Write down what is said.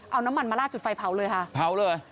เอาน้ำมันมาลาดจุดไฟเผาเลยค่ะเผาเลย